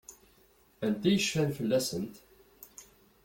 Anta i yecfan fell-asent?